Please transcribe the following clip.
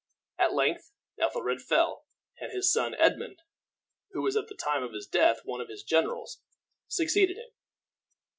At length Ethelred fell, and his son Edmund, who was at the time of his death one of his generals, succeeded him.